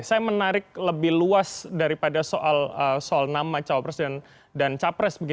saya menarik lebih luas daripada soal nama cawapres dan capres